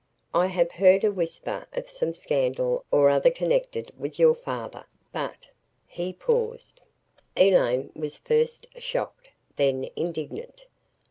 "I have heard a whisper of some scandal or other connected with your father but " He paused. Elaine was first shocked, then indignant.